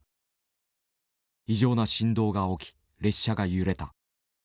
異常な振動が起き列車が揺れた。